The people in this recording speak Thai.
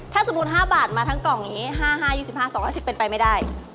ถ้าสมมุติ๕บาทมาทั้งกล่องอย่างนี้๕๕๒๕๒๑๐เป็นไปไม่ได้